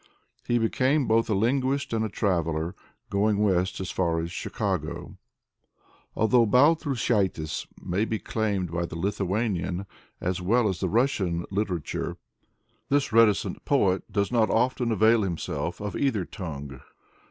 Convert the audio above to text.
He became both a linguist and a traveler, going west as far as Chicago. Although Baltrushaitis may be claimed by the Lithuanian as well as the Russian literature, this reticent poet does not often avail himself of either tongue.